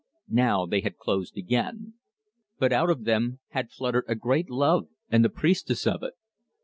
Now they had closed again. But out of them had fluttered a great love and the priestess of it.